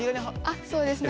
あそうです。